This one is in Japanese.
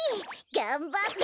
がんばって！